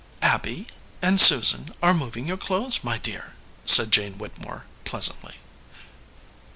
"Abby and Susan are moving your clothes, my dear," said Jane Whittemore, pleasantly.